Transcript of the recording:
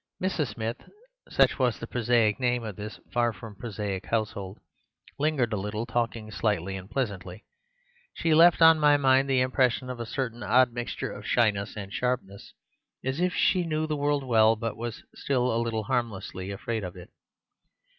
Mrs. Smith (such was the prosaic name of this far from prosaic household) lingered a little, talking slightly and pleasantly. She left on my mind the impression of a certain odd mixture of shyness and sharpness; as if she knew the world well, but was still a little harmlessly afraid of it.